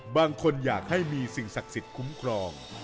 บางคนอยากให้มีสิ่งศักดิ์สิทธิ์คุ้มครอง